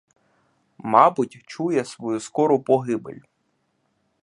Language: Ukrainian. Мабуть, чує свою скору погибель.